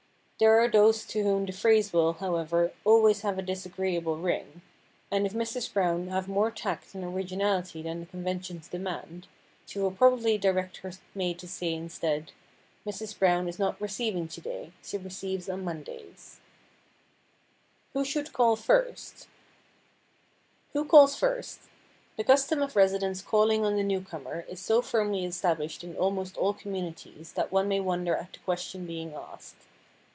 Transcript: There are those to whom the phrase will, however, always have a disagreeable ring, and if Mrs. Brown have more tact and originality than the conventions demand she will probably direct her maid to say instead, "Mrs. Brown is not receiving to day. She receives on Mondays." [Sidenote: WHO SHOULD CALL FIRST] Who calls first? The custom of residents calling on the newcomer is so firmly established in almost all communities that one may wonder at the question being asked.